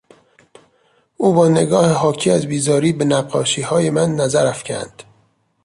او با نگاه حاکی از بیزاری به نقاشیهای من نظر افکند.